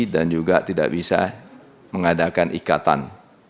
dan juga tidak bisa mengadakan ikatan